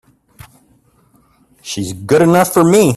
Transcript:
She's good enough for me!